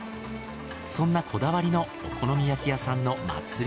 そんなこだわりのお好み焼き屋さんの祭り